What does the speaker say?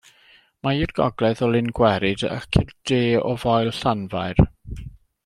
Mae i'r gogledd o Lyn Gweryd ac i'r de o Foel Llanfair.